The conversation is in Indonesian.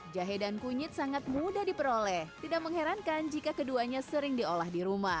jahe dan kunyit sangat mudah diperoleh tidak mengherankan jika keduanya sering diolah di rumah